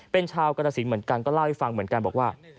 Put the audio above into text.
เป็นชาวกรสินเหมือนกันก็เล่าให้ฟังเหมือนกันบอกว่า